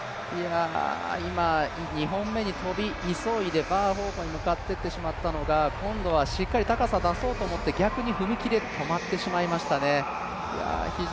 今、２本目に跳び急いでバー方向に向かっていってしまったのが今度はしっかり高さ出そうと思って逆に踏み切りで止まってしまいましたね。